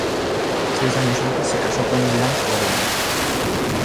Seis años antes se casó con Jeanne Florian.